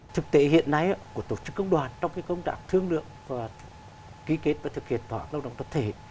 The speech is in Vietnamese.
thực tế hiện nay của tổ chức công đoàn trong cái công trạng thương lượng và ký kết và thực hiện tòa cộng đồng tập thể